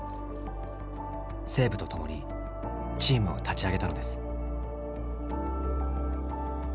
西武とともにチームを立ち上げたのです。